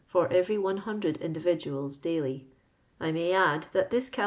for every 100 individuals daily. I may add that this cal.